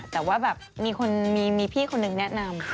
แต่ว่าแบบมีพี่คนนึงแนะนำ